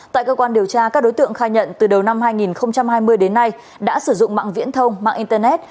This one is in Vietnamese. tại cơ quan điều tra các đối tượng khai nhận từ đầu năm hai nghìn hai mươi đến nay đã sử dụng mạng viễn thông mạng internet